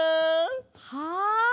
はい！